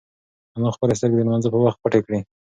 انا خپلې سترگې د لمانځه په وخت پټې کړې.